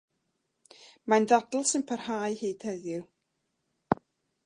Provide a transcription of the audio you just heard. Mae'n ddadl sy'n parhau hyd heddiw.